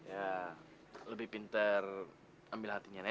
ya lebih pinter ambil hatinya aja